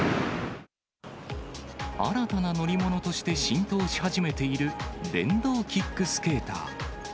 新たな乗り物として浸透し始めている、電動キックスケーター。